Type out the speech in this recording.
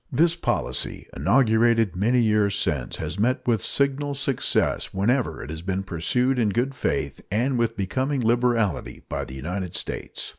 This policy, inaugurated many years since, has met with signal success whenever it has been pursued in good faith and with becoming liberality by the United States.